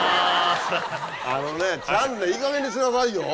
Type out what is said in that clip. あのねチャンねいいかげんにしなさいよ。